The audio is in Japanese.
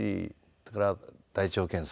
それから大腸検査。